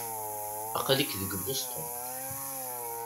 Aql-ik deg Boston.